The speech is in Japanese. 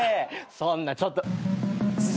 そんなちょっと。